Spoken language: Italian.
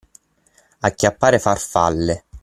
Acchiappare farfalle.